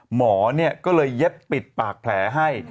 หมอก็เลยเย็บปิดปากแผลให้